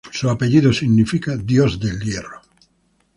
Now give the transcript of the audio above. Su apellido significa "Dios de Hierro".